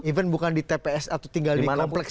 even bukan di tps atau tinggal di kompleks